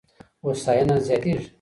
هوساينه زياتېږي.